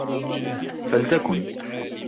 فلتكن